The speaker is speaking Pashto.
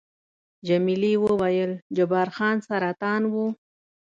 جميلې وويل:، جبار خان سرطان وو؟